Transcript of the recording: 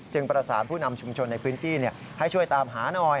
ประสานผู้นำชุมชนในพื้นที่ให้ช่วยตามหาหน่อย